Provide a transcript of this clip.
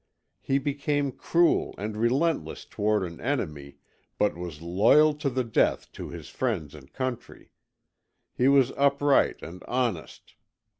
He became cruel and relentless toward an enemy, but was loyal to the death to his friends and country. He was upright and honest.